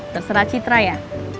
terserah citra ya